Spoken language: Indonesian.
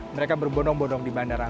mereka berbonong bonong di bandara